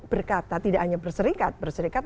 berkata tidak hanya berserikat berserikat